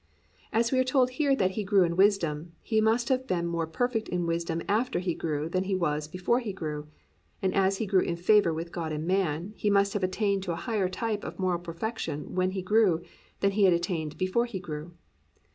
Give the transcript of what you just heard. "+ As we are told here that He grew in wisdom, He must have been more perfect in wisdom after He grew than He was before He grew, and as He grew in favour with God and man, He must have attained to a higher type of moral perfection when He grew than He had attained to before He grew.